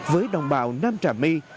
với đồng bào nam trà my